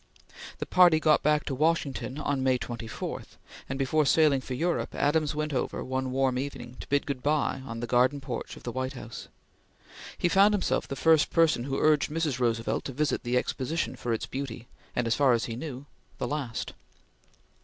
The party got back to Washington on May 24, and before sailing for Europe, Adams went over, one warm evening, to bid good bye on the garden porch of the White House. He found himself the first person who urged Mrs. Roosevelt to visit the Exposition for its beauty, and, as far as he ever knew, the last.